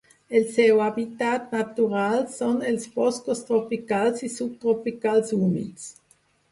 El seu hàbitat natural són els boscos tropicals i subtropicals humits.